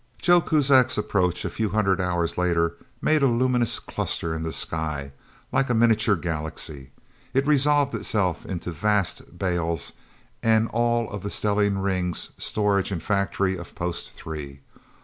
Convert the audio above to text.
Joe Kuzak's approach, a few hundred hours later, made a luminous cluster in the sky, like a miniature galaxy. It resolved itself into vast bales, and all of the stellene rings storage and factory of Post Three.